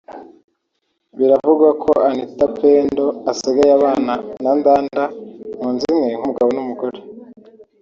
Biravugwa ko Anita Pendo asigaye abana na Ndanda mu nzu imwe nk’umugabo n’umugore